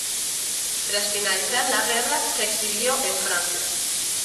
Tras finalizar la guerra se exilió en Francia.